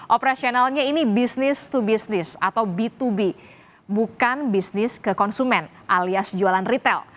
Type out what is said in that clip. operasionalnya ini business to business atau b dua b bukan bisnis ke konsumen alias jualan retail